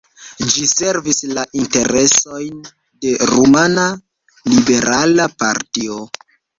Ĝi servis la interesojn de rumana liberala partio.